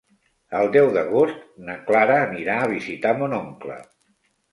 El deu d'agost na Clara anirà a visitar mon oncle.